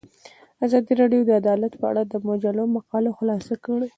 ازادي راډیو د عدالت په اړه د مجلو مقالو خلاصه کړې.